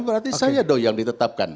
berarti saya yang ditetapkan